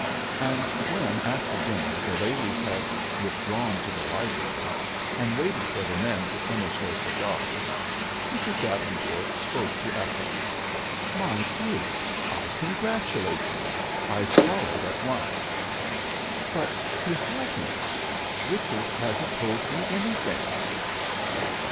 And when after dinner the ladies had withdrawn to the library, and waited for the men to finish their cigars, Mrs. Davenport spoke to Ethel. "My dear, I congratulate you. I saw it at once." "But he hasn't. Richard hasn't told me anything."